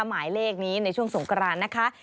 หมายเลขนี้ในช่วงสงคราน